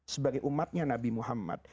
sebagai umatnya nabi muhammad